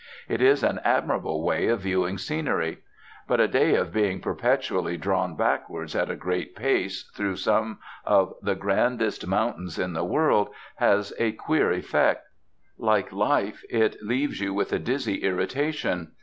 It is an admirable way of viewing scenery. But a day of being perpetually drawn backwards at a great pace through some of the grandest mountains in the world has a queer effect. Like life, it leaves you with a dizzy irritation.